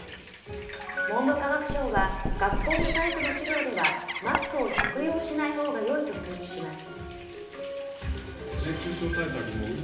文部科学省は学校の体育の授業ではマスクを着用しないほうがいいと通知します。